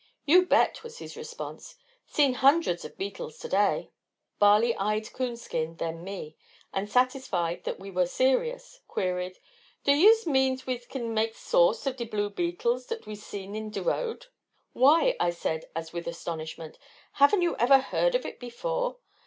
"You bet," was his response. "Seen hundreds of beetles to day." Barley eyed Coonskin, then me, and satisfied that we were serious, queried, "Do yuse mean wese kin make sauce of de blue beetles what wese see in de road?" "Why," I said, as with astonishment, "haven't you ever heard of it before?